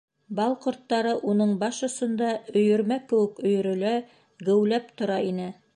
Бал ҡорттары уның баш осонда өйөрмә кеүек өйөрөлә, геүләп тора ине.